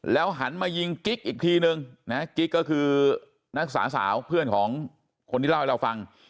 หันมายิงกิ๊กอีกทีนึงนะกิ๊กก็คือนักศึกษาสาวเพื่อนของคนที่เล่าให้เราฟัง